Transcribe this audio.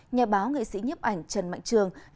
nhà báo nghị sĩ nhấp ảnh trần mạnh trường